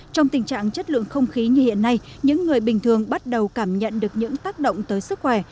trong tình trạng chất lượng không khí như hiện nay những người bình thường bắt đầu cảm nhận được những tác động tới sức khỏe